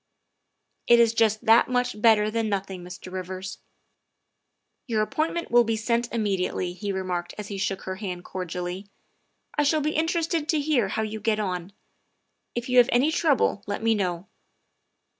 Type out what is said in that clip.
''It is just that much better than nothing, Mr. Rivers." " Your appointment will be sent immediately," he remarked as he shook her hand cordially. " I shall be interested to hear how you get on. If you have any trouble, let me know.